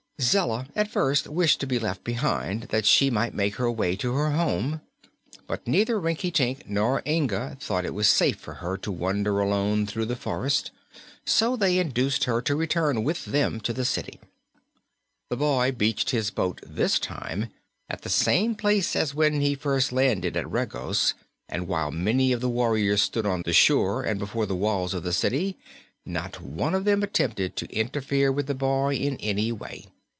Zella at first wished to be left behind, that she might make her way to her home, but neither Rinkitink nor Inga thought it was safe for her to wander alone through the forest, so they induced her to return with them to the city. The boy beached his boat this time at the same place as when he first landed at Regos, and while many of the warriors stood on the shore and before the walls of the city, not one of them attempted to interfere with the boy in any way.